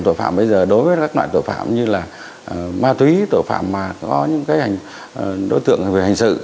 tội phạm bây giờ đối với các loại tội phạm như là ma túy tội phạm mà có những đối tượng về hành sự